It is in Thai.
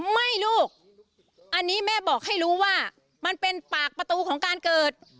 ลูกอันนี้แม่บอกให้รู้ว่ามันเป็นปากประตูของการเกิด